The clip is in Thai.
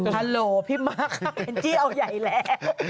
ฮัลโหลพี่มักเป็นจี้เอาใหญ่แล้ว